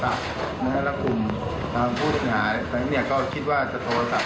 ตอนนี้ได้ตัวผู้ต้องหาขีดคนหรือครับ